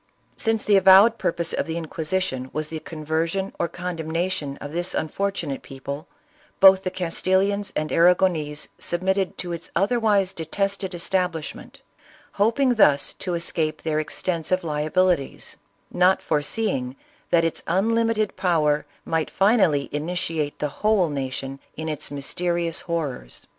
Since the avowed purpose of the Inquisition was the conversion or condemnation of this unfortunate people, both the Castilians and Arragonese submitted to its otherwise detested establishment, hoping thus to escape their ex tensive liabilities; not foreseeing that its unlimited power might finally initiate the whole nation in its mysterious horrors.